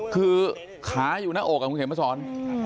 คือขาอยู่หน้าอกคุณเข็มมาสอน